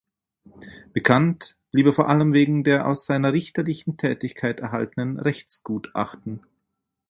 Bekannt blieb er vor allem wegen der aus seiner richterlichen Tätigkeit erhaltenen Rechtsgutachten.